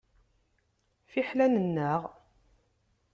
Fiḥel ad nennaɣ!